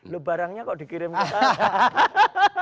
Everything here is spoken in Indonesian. lo barangnya kok dikirim ke kita